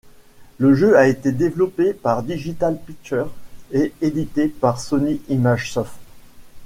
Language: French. Le jeu a été développé par Digital Pictures et édité par Sony Imagesoft.